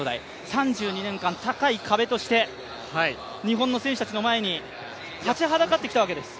３２年間、高い壁として日本の選手たちの前に立ちはだかってきたわけです。